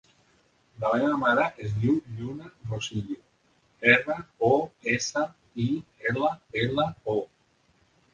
La meva mare es diu Lluna Rosillo: erra, o, essa, i, ela, ela, o.